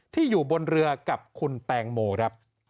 ที่อยู่บนเรือกับคุณแตงโมครับ